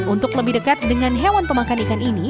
untuk lebih dekat dengan hewan pemakan ikan ini